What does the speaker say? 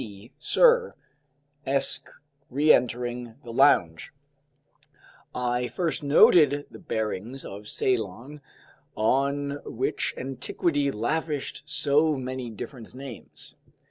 C. Sirr, Esq. Reentering the lounge, I first noted the bearings of Ceylon, on which antiquity lavished so many different names.